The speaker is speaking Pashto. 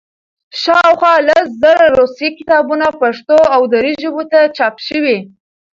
شاوخوا لس زره روسي کتابونه پښتو او دري ژبو ته چاپ شوي.